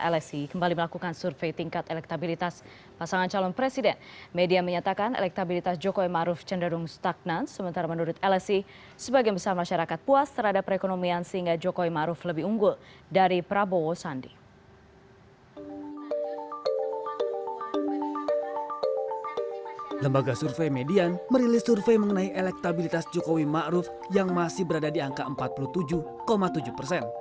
lembaga survei median merilis survei mengenai elektabilitas jokowi ma'ruf yang masih berada di angka empat puluh tujuh tujuh persen